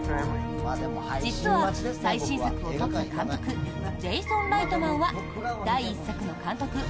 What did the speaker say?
実は、最新作を撮った監督ジェイソン・ライトマンは第１作の監督